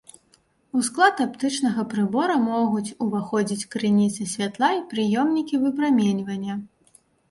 У склад аптычнага прыбора могуць уваходзіць крыніцы святла і прыёмнікі выпраменьвання.